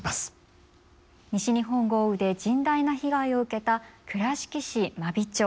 西日本豪雨で甚大な被害を受けた倉敷市真備町。